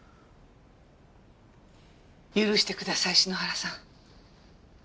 許してください篠原さん。